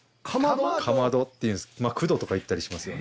かまどまあ「くど」とか言ったりしますよね。